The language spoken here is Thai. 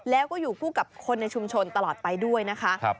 แล้วก็อยู่คู่กับคนในชุมชนตลอดไปด้วยนะคะ